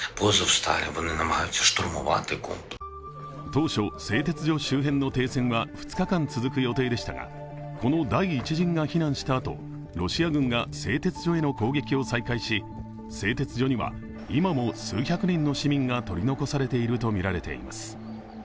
当初、製鉄所周辺の停戦は２日間続く予定でしたがこの第１陣が避難したあと、ロシア軍が製鉄所への攻撃を再開し、製鉄所には今も数百人の市民が取り残されているとみられています。